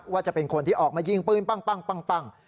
ว่าจะเป็นคนที่ออกมายิงปืนปั้ง